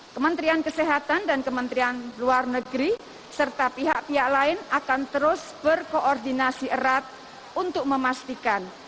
kementerian kesehatan dan kementerian luar negeri serta pihak pihak lain akan terus berkoordinasi erat untuk memastikan